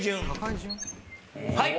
はい。